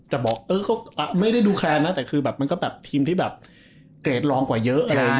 แต่บอกเอ่อไม่ได้ดูแคร์นะแต่ก็เป็นแบบทีมที่เกรดจาดลองกว่าเยอะ